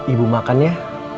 ibu makan ya